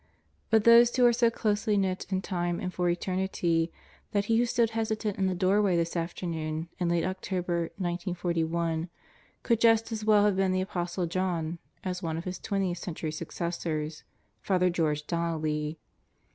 But those two are so closely knit in Time and for Eternity that he who stood hesitant in the doorway this afternoon in late Octo ber, 1941, could just as well have been the Apostle John as one of his twentieth century successors Father George Donnelly.